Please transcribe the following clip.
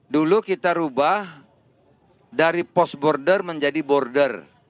dulu kita rubah dari post border menjadi border